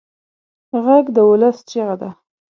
غږ د ولس چیغه ده